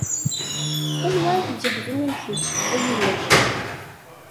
Anwa i iǧehden am kečč, a Illu?